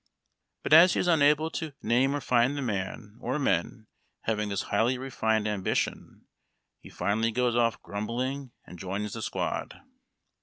But as he is unable to name or find the man or men having this highly refined ambition he finally goes off grumbling and joins the squad.